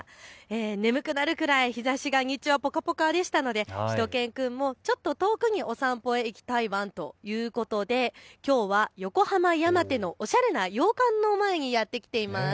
眠くなるくらい日ざしが日中はぽかぽかでしたのでしゅと犬くんもちょっと遠くにお散歩に行きたいワンということできょうは横浜山手のおしゃれな洋館の前にやって来ています。